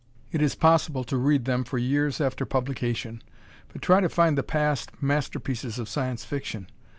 It is possible to read them for years after publication. But try to find the past masterpieces of Science Fiction.